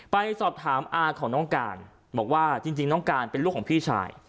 ไปสอบถามอาของน้องการบอกว่าจริงน้องการเป็นลูกของพี่ชาย